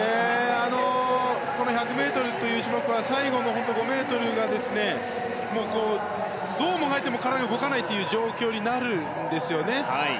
この１００ｍという種目は最後の５ｍがどうもがいても体が動かないという状況になるんですね。